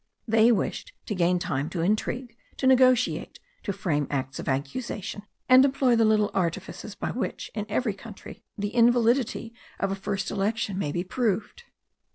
They wished to gain time to intrigue, to negotiate, to frame acts of accusation, and employ the little artifices by which, in every country, the invalidity of a first election may be proved.